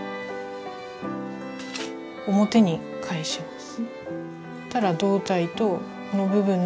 表に返します。